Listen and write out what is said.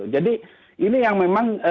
jadi ini yang memang